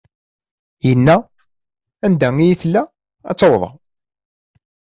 Yenna: Anda i iyi-tella ad tt-awḍeɣ.